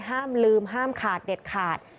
ห้ามลืมห้ามขาดเด็ดขาด